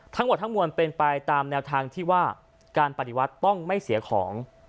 ทั้งหมดทั้งมวลเป็นไปตามแนวทางที่ว่าการปฏิวัติต้องไม่เสียของ